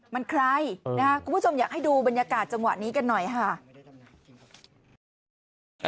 มันใครคุณผู้ชมอยากให้ดูบรรยากาศจังหวะนี้กันหน่อยค่ะ